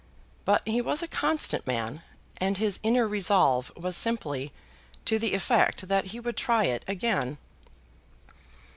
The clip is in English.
But he was a constant man, and his inner resolve was simply to the effect that he would try it again.